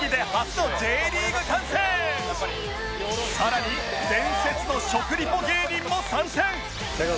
さらに伝説の食リポ芸人も参戦！